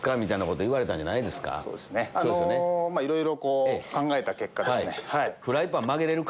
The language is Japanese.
いろいろ考えた結果ですね。